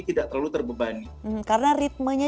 tidak terlalu terbebani karena ritmenya